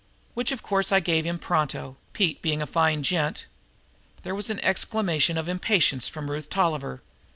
Which of course I gave him pronto, Pete being a fine gent." There was an exclamation of impatience from Ruth Tolliver.